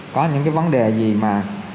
có những vấn đề gì mà